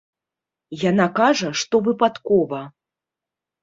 Яна кажа, што выпадкова.